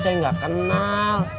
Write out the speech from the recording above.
saya nggak kenal